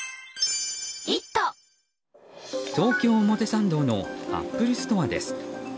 東京・表参道のアップルストアです。